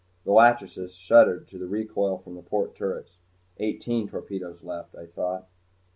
The "Lachesis" shuddered to the recoil from the port turrets. Eighteen torpedoes left, I thought.